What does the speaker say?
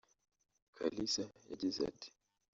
Kalisa yagize ati